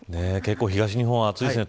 東日本暑いですね